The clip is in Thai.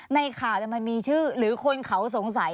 ในข่าวมันมีชื่อหรือคนเขาสงสัย